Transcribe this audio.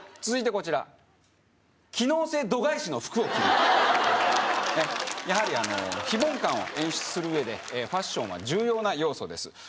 続いてこちら機能性度外視の服を着るやはりあの非凡感を演出する上でファッションは重要な要素です